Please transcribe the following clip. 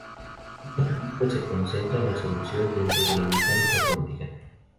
Este artículo se concentra en la solución dentro de la mecánica cuántica.